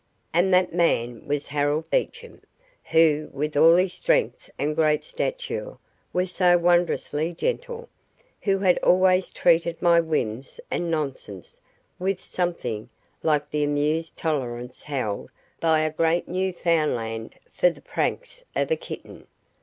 And that man was Harold Beecham, who with all his strength and great stature was so wondrously gentle who had always treated my whims and nonsense with something like the amused tolerance held by a great Newfoundland for the pranks of a kitten.